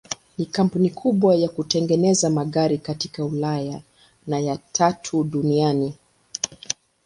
Ni kampuni kubwa ya kutengeneza magari katika Ulaya na ya tatu duniani.